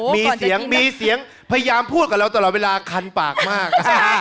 มีเสียงมีเสียงพยายามพูดกับเราตลอดเวลาคันปากมาก